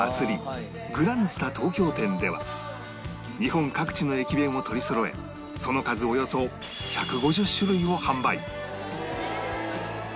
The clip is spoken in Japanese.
東京店では日本各地の駅弁を取りそろえその数およそ１５０種類を販売